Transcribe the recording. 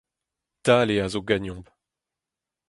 Dale a zo ganeomp.